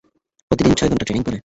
প্রতিদিন ছয় ঘণ্টা ট্রেনিং করে।